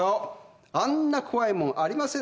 あんな怖いものありませんでした。